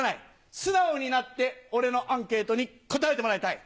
素直になって俺のアンケートに答えてもらいたい。